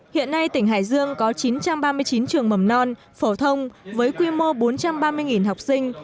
hiện nay tỉnh hải dương có chín trăm ba mươi chín trường mầm non phổ thông với quy mô bốn trăm ba mươi học sinh